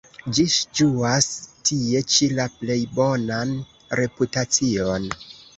Ĝi ĝuas tie ĉi la plej bonan reputacion.